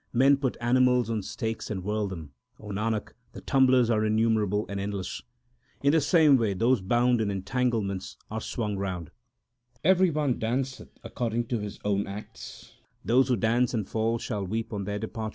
Men put animals on stakes and whirl them. Nanak, the tumblers are innumerable and endless. In the same way those bound in entanglements are swung round ; Every one danceth according to his own acts They who dance and laugh shall weep on their departure ; 1 Jhaia is a woman s head of hair.